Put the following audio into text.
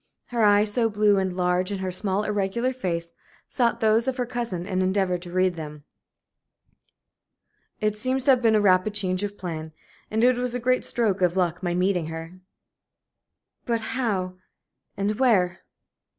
Her eyes, so blue and large in her small, irregular face, sought those of her cousin and endeavored to read them. "It seems to have been a rapid change of plan. And it was a great stroke of luck my meeting her." "But how and where?"